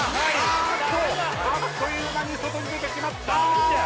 あーっとあっという間に外に出てしまった。